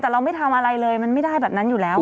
แต่เราไม่ทำอะไรเลยมันไม่ได้แบบนั้นอยู่แล้ว